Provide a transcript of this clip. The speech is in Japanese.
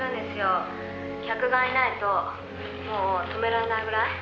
「客がいないともう止められないぐらい」